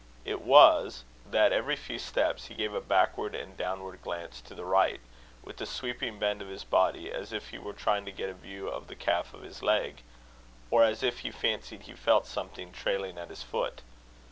It was, that, every few steps, he gave a backward and downward glance to the right, with a sweeping bend of his body, as if he were trying to get a view of the calf of his leg, or as if he fancied he felt something trailing at his foot.